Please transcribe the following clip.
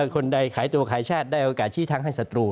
คนใดขายตัวขายชาติได้โอกาสชี้ทางให้ศัตรู